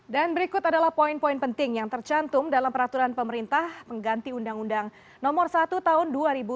dan berikut adalah poin poin penting yang tercantum dalam peraturan pemerintah mengganti undang undang nomor satu tahun dua ribu tujuh belas